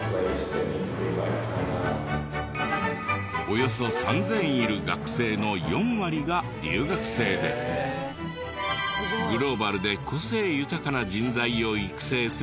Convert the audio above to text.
およそ３０００いる学生の４割が留学生でグローバルで個性豊かな人材を育成する大学。